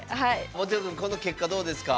モテお君この結果どうですか？